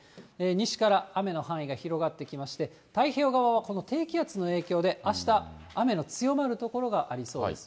西から雨の範囲が広がってきまして、太平洋側は、この低気圧の影響で、あした雨の強まる所がありそうです。